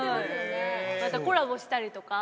またコラボしたりとか。